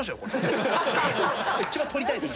一番取りたいです